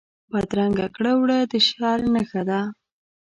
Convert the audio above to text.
بدرنګه کړه وړه د شر نښه ده